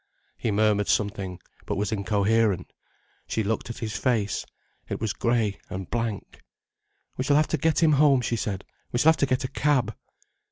He murmured something, but was incoherent. She looked at his face. It was grey and blank. "We shall have to get him home," she said. "We shall have to get a cab."